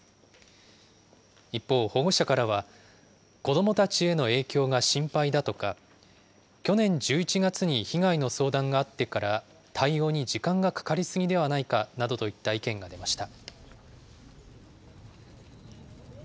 一方、保護者からは、子どもたちへの影響が心配だとか、去年１１月に被害の相談があってから、対応に時間がかかり過ぎではないかなどといった意見が出ました。